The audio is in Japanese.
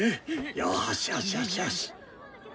よしよしよしよし！